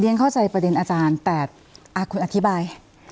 เข้าใจประเด็นอาจารย์แต่คุณอธิบาย